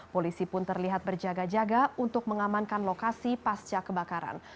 polisi pun terlihat berjaga jaga untuk mengamankan lokasi pasca kebakaran